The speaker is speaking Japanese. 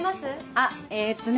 あっえっとね